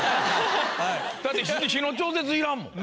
だって火の調節いらんもん。